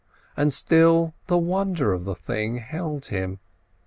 And still the wonder of the thing held him.